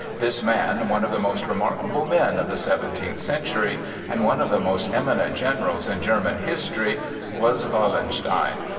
This man, one of the most remarkable men of the seventeenth century, and one of the most eminent generals in German history was Wallenstein.